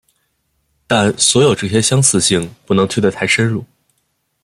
但所有这些相似性不能推得太深入。